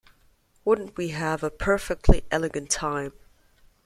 Wouldn’t we have a perfectly elegant time?